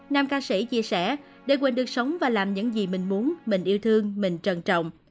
nam ca sĩ chia sẻ để quỳnh được sống và làm những gì mình muốn mình yêu thương mình trân trọng